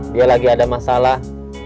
dia lagi ada masalah